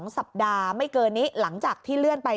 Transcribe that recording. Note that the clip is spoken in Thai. ๒สัปดาห์ไม่เกินนี้หลังจากที่เลื่อนไป